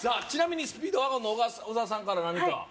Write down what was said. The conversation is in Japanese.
ちなみにスピードワゴンの小沢さんから何か？